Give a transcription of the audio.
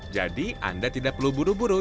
jadi anda tidak perlu buru buru